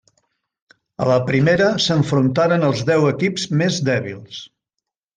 A la primera s'enfrontaren els deu equips més dèbils.